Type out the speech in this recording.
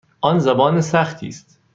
آن زبان سختی است.